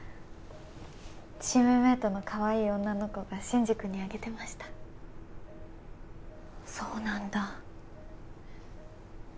チームメイトのかわいい女の子が真司君にあげてましたそうなんだ